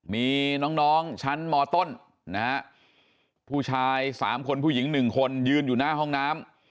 มีน้องชั้นมต้นนะฮะผู้ชาย๓คนผู้หญิง๑คนยืนอยู่หน้าห้องน้ำ